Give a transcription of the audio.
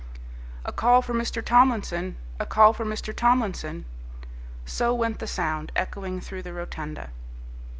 "A call for Mr. Tomlinson! A call for Mr. Tomlinson!" So went the sound, echoing through the rotunda.